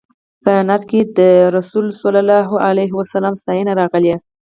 په نعت کې د رسول الله صلی الله علیه وسلم ستاینه راغلې.